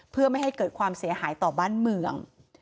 เพื่อไม่ให้เกิดความเสียหายต่อบ้านเมือง